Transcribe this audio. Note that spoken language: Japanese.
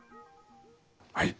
はい。